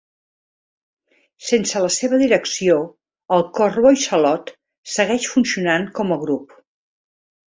Sense la seva direcció, el cor Voissalot segueix funcionant com a grup.